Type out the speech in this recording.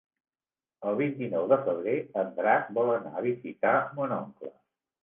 El vint-i-nou de febrer en Drac vol anar a visitar mon oncle.